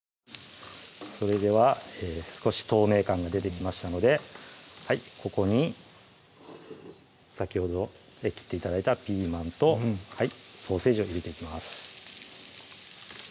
それでは少し透明感が出てきましたのでここに先ほど切って頂いたピーマンとソーセージを入れていきます